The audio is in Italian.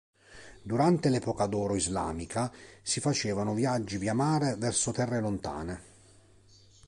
Durante l'epoca d'oro islamica, si facevano viaggi via mare verso terre lontane.